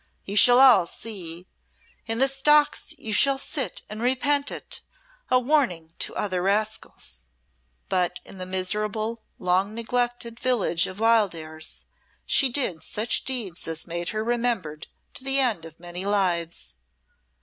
You shall all see. In the stocks you shall sit and repent it a warning to other rascals.'" But in the miserable, long neglected village of Wildairs she did such deeds as made her remembered to the end of many lives.